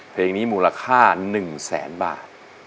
เพลงนี้มูลค่า๑แสนบาท